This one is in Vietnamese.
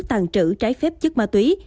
tàn trữ trái phép chất ma túy